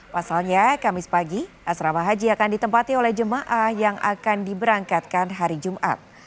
pasalnya kamis pagi asrama haji akan ditempati oleh jemaah yang akan diberangkatkan hari jumat